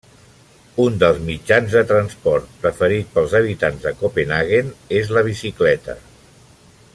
Un dels mitjans de transport preferit pels habitants de Copenhaguen és la Bicicleta.